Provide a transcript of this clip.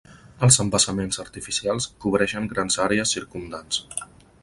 Els embassaments artificials cobreixen grans àrees circumdants.